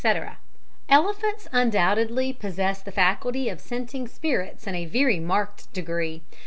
_ Elephants undoubtedly possess the faculty of scenting spirits in a very marked degree.